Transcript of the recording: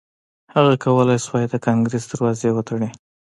هغه کولای شوای د کانګریس دروازې وتړي.